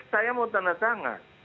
saya mau tanda tangan